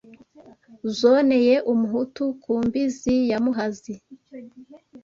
Zoneye umuhutu ku mbizi ya Muhazi